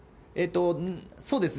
そうですね。